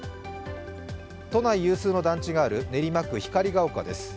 都内有数の団地がある練馬区光が丘です。